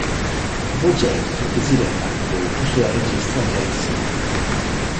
BoJack desidera fare colpo sulla regista Kelsey.